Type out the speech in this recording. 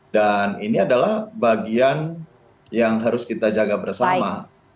dan ini adalah bagian yang harus kita jaga bersama